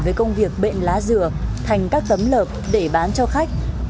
với công việc bện lá dừa thành các tấm lợp để bán cho khách